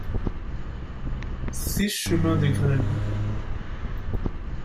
six chemin des Greles